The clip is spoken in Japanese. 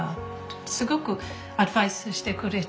すごくアドバイスしてくれた。